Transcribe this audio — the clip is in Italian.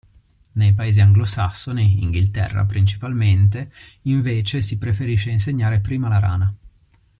Nei Paesi anglosassoni (Inghilterra, principalmente), invece, si preferisce insegnare prima la rana.